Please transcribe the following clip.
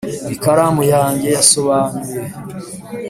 ikaramu yanjye yasobanuye,